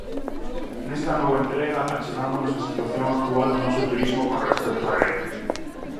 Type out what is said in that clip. Nesta nova entrega achegámonos á situación actual do noso turismo con respecto á Rede.